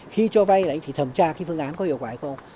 khi cho vay thì thẩm tra cái phương án có hiệu quả hay không